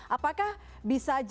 apakah bisa jadi atau bisa dianggap